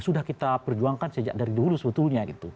sudah kita perjuangkan sejak dari dulu sebetulnya gitu